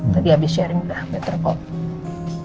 tadi habis sharing udah better kok